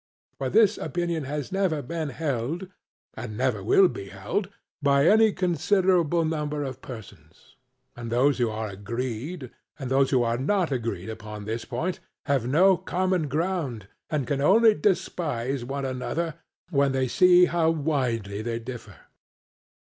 For this opinion has never been held, and never will be held, by any considerable number of persons; and those who are agreed and those who are not agreed upon this point have no common ground, and can only despise one another when they see how widely they differ.